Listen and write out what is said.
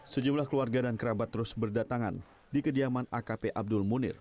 sejumlah keluarga dan kerabat terus berdatangan di kediaman akp abdul munir